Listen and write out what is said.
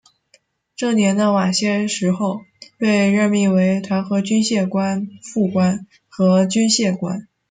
这年的晚些时候被任命为团和军械官副官和军械官。